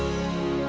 tidak ada orangnya